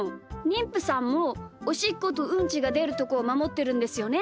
にんぷさんもおしっことうんちがでるところをまもってるんですよね？